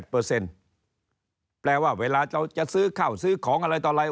แปลว่าเวลาจะซื้อข้าวซื้อของอะไรต่ออะไร